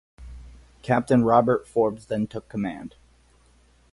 Captain Robert Forbes then took command.